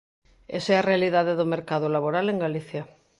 Esa é a realidade do mercado laboral en Galicia.